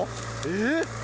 えっ！？